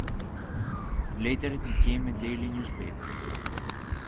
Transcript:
Later it became a daily newspaper.